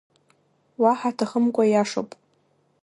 Уаҳа аҭахымкәа ииашоуп.